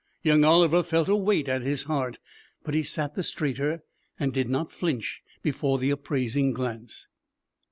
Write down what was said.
Young Oliver felt a weight at his heart, but he sat the straighter, and did not flinch before the appraising glance.